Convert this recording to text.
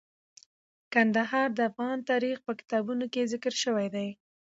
کندهار د افغان تاریخ په کتابونو کې ذکر شوی دي.